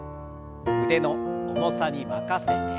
腕の重さに任せて。